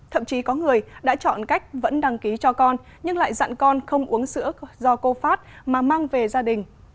thậm chí có người đã chọn cách vẫn đăng ký cho con nhưng lại dặn con không uống sữa do cô phát mà mang về gia đình